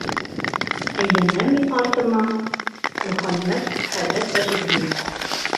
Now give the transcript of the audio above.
Әйләнәм мин артыма — Мөхәммәт хәҙрәт Тажетдинов: